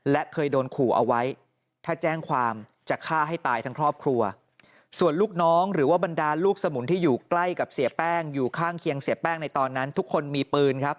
และเคยโดนขู่เอาไว้ถ้าแจ้งความจะฆ่าให้ตายทั้งครอบครัวส่วนลูกน้องหรือว่าบรรดาลูกสมุนที่อยู่ใกล้กับเสียแป้งอยู่ข้างเคียงเสียแป้งในตอนนั้นทุกคนมีปืนครับ